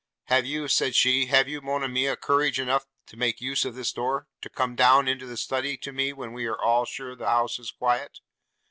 'Have you,' said he, 'have you, Monimia, courage enough make use of this door, to come down into the study to me when we are sure all the house is quiet?